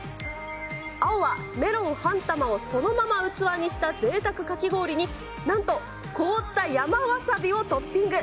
青は、メロン半玉をそのまま器にしたぜいたくかき氷に、なんと、凍った山ワサビをトッピング。